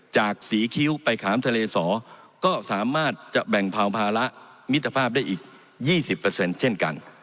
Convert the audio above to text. จากสีคิ้วไปขามทะเลสอก็สามารถจะแบ่งเผาภาระมิตรภาพได้อีก๒๐เช่นกัน